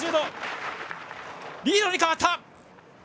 リードに変わった！